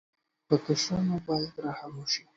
په کشرانو باید رحم وشي.